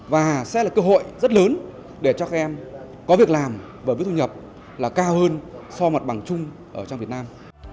và sẽ là cơ hội rất lớn để cho các em có việc làm bởi với thu nhập là cao hơn so mặt bằng chung ở trong việt nam